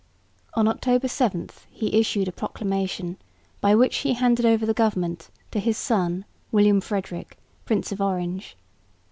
On October 7 he issued a proclamation by which he handed over the government to his son William Frederick, Prince of Orange.